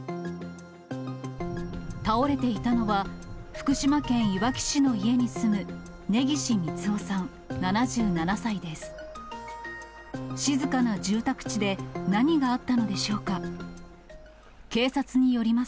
倒れていたのは、福島県いわき市の家に住む根岸三男さん７７歳です。